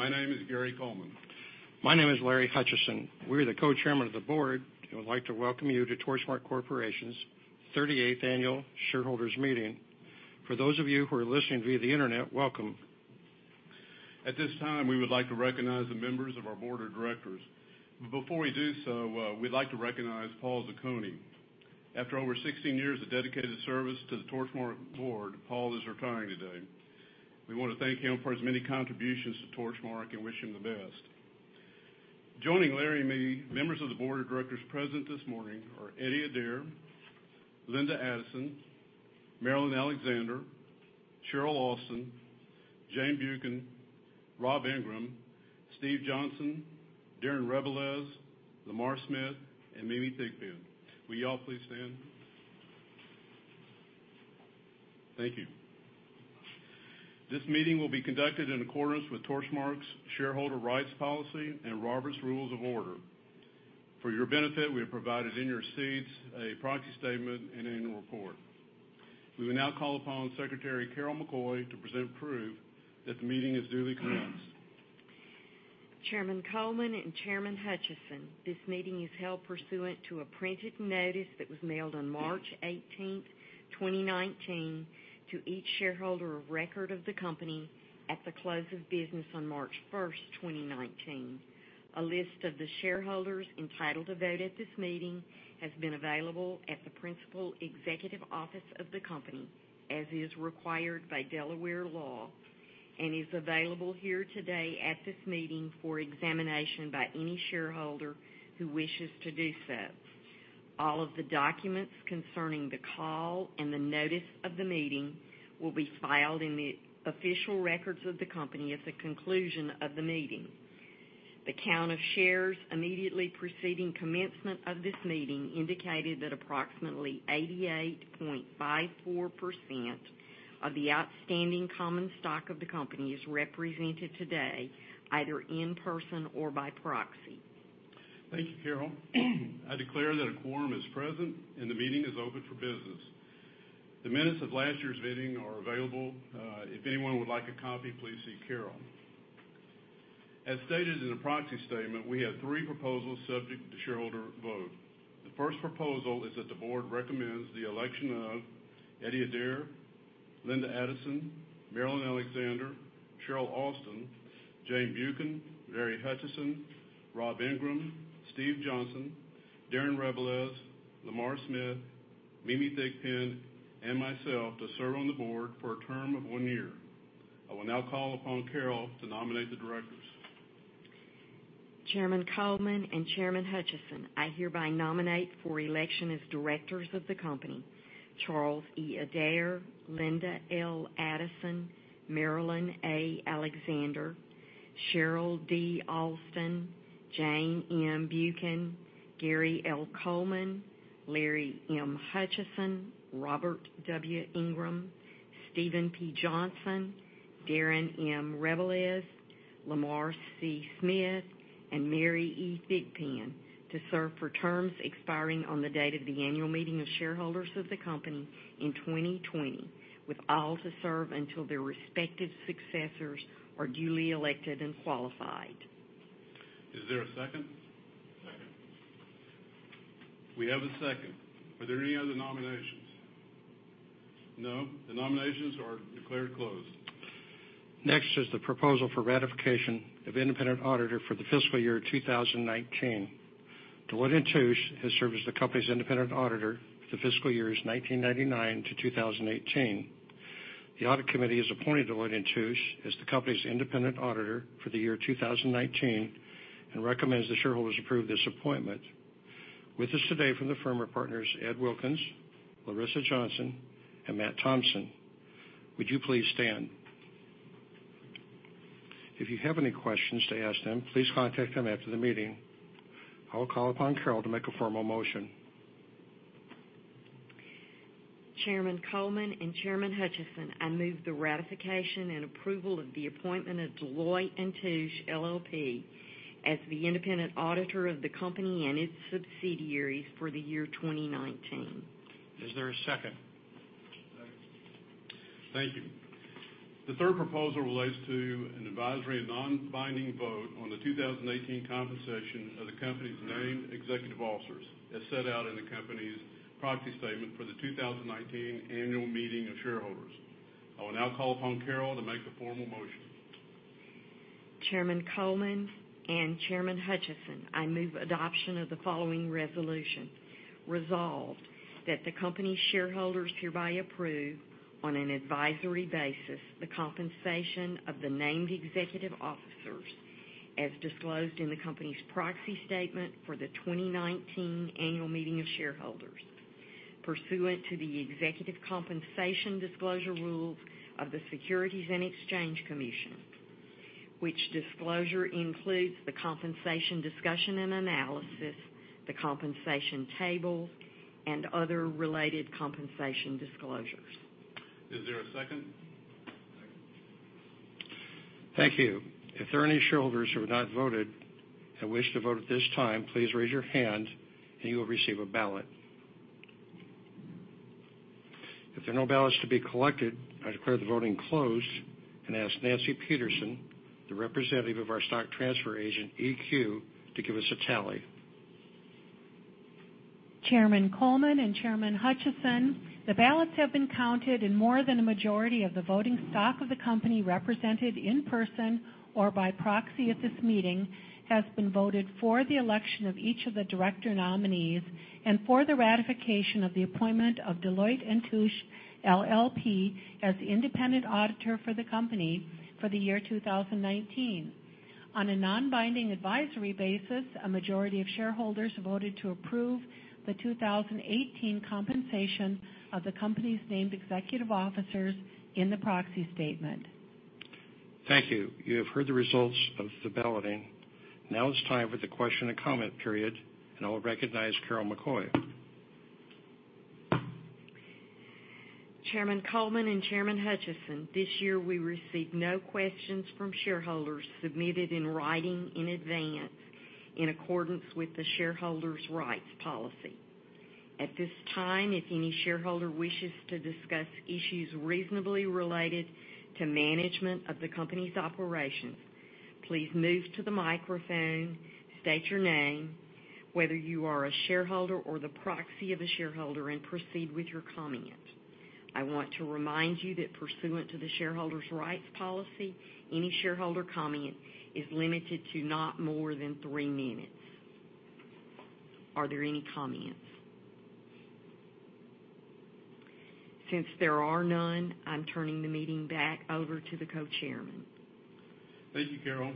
My name is Gary Coleman. My name is Larry Hutchison. We're the co-chairmen of the board, and would like to welcome you to Torchmark Corporation's 38th annual shareholders meeting. For those of you who are listening via the internet, welcome. At this time, we would like to recognize the members of our board of directors. Before we do so, we'd like to recognize Paul Zucconi. After over 16 years of dedicated service to the Torchmark board, Paul is retiring today. We want to thank him for his many contributions to Torchmark and wish him the best. Joining Larry and me, members of the board of directors present this morning are Eddie Adair, Linda Addison, Marilyn Alexander, Cheryl Alston, Jane Buchan, Rob Ingram, Steve Johnson, Darren Rebelez, Lamar Smith, and Mimi Thigpen. Will you all please stand? Thank you. This meeting will be conducted in accordance with Torchmark's shareholder rights policy and Robert's Rules of Order. For your benefit, we have provided in your seats a proxy statement and annual report. We will now call upon Secretary Carol McCoy to present proof that the meeting is duly commenced. Chairman Coleman and Chairman Hutchison, this meeting is held pursuant to a printed notice that was mailed on March 18th, 2019, to each shareholder of record of the company at the close of business on March 1st, 2019. A list of the shareholders entitled to vote at this meeting has been available at the principal executive office of the company, as is required by Delaware law, and is available here today at this meeting for examination by any shareholder who wishes to do so. All of the documents concerning the call and the notice of the meeting will be filed in the official records of the company at the conclusion of the meeting. The count of shares immediately preceding commencement of this meeting indicated that approximately 88.54% of the outstanding common stock of the company is represented today, either in person or by proxy. Thank you, Carol. I declare that a quorum is present, and the meeting is open for business. The minutes of last year's meeting are available. If anyone would like a copy, please see Carol. As stated in the proxy statement, we have three proposals subject to shareholder vote. The first proposal is that the board recommends the election of Eddie Adair, Linda Addison, Marilyn Alexander, Cheryl Alston, Jane Buchan, Larry Hutchison, Rob Ingram, Steve Johnson, Darrin Rebelez, Lamar Smith, Mimi Thigpen, and myself to serve on the board for a term of one year. I will now call upon Carol to nominate the directors. Chairman Coleman and Chairman Hutchison, I hereby nominate for election as directors of the company, Charles E. Adair, Linda L. Addison, Marilyn A. Alexander, Cheryl D. Alston, Jane M. Buchan, Gary L. Coleman, Larry M. Hutchison, Robert W. Ingram, Steven P. Johnson, Darren M. Rebelez, Lamar C. Smith, and Mary E. Thigpen to serve for terms expiring on the date of the annual meeting of shareholders of the company in 2020, with all to serve until their respective successors are duly elected and qualified. Is there a second? Second. We have a second. Are there any other nominations? No? The nominations are declared closed. Next is the proposal for ratification of independent auditor for the fiscal year 2019. Deloitte & Touche has served as the company's independent auditor for the fiscal years 1999 to 2018. The audit committee has appointed Deloitte & Touche as the company's independent auditor for the year 2019 and recommends the shareholders approve this appointment. With us today from the firm are partners Ed Wilkins, Larissa Johnson, and Matt Thompson. Would you please stand? If you have any questions to ask them, please contact them after the meeting. I will call upon Carol to make a formal motion. Chairman Coleman and Chairman Hutchison, I move the ratification and approval of the appointment of Deloitte & Touche LLP as the independent auditor of the company and its subsidiaries for the year 2019. Is there a second? Second. Thank you. The third proposal relates to an advisory and non-binding vote on the 2018 compensation of the company's named executive officers as set out in the company's proxy statement for the 2019 annual meeting of shareholders. I will now call upon Carol to make the formal motion. Chairman Coleman and Chairman Hutchison, I move adoption of the following resolution. Resolved that the company's shareholders hereby approve, on an advisory basis, the compensation of the named executive officers as disclosed in the company's proxy statement for the 2019 annual meeting of shareholders pursuant to the executive compensation disclosure rules of the Securities and Exchange Commission, which disclosure includes the compensation discussion and analysis, the compensation tables, and other related compensation disclosures. Is there a second? Second. Thank you. If there are any shareholders who have not voted and wish to vote at this time, please raise your hand and you will receive a ballot. If there are no ballots to be collected, I declare the voting closed and ask Nancy Peterson, the representative of our stock transfer agent, EQ, to give us a tally. Chairman Coleman and Chairman Hutchison, the ballots have been counted and more than a majority of the voting stock of the company represented in person or by proxy at this meeting has been voted for the election of each of the director nominees and for the ratification of the appointment of Deloitte & Touche LLP as the independent auditor for the company for the year 2019. On a non-binding advisory basis, a majority of shareholders voted to approve the 2018 compensation of the company's named executive officers in the proxy statement. Thank you. You have heard the results of the balloting. Now it's time for the question and comment period. I will recognize Carol McCoy. Chairman Coleman and Chairman Hutchison, this year we received no questions from shareholders submitted in writing in advance in accordance with the shareholder's rights policy. At this time, if any shareholder wishes to discuss issues reasonably related to management of the company's operations, please move to the microphone, state your name, whether you are a shareholder or the proxy of a shareholder, and proceed with your comment. I want to remind you that pursuant to the shareholder's rights policy, any shareholder comment is limited to not more than three minutes. Are there any comments? Since there are none, I'm turning the meeting back over to the co-chairmen. Thank you, Carol.